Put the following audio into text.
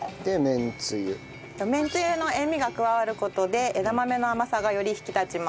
めんつゆの塩味が加わる事で枝豆の甘さがより引き立ちます。